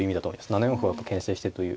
７四歩をやっぱけん制してるという。